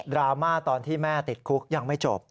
ราม่าตอนที่แม่ติดคุกยังไม่จบ